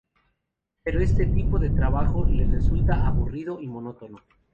Pero este tipo de trabajo le resulta aburrido y monótono.